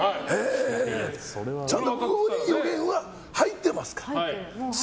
ちゃんとここに予言は入ってますから。